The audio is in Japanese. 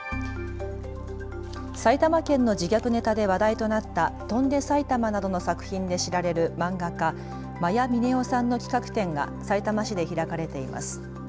埼玉県の自虐ネタで話題となった翔んで埼玉などの作品で知られる漫画家、魔夜峰央さんの企画展がさいたま市で開かれています。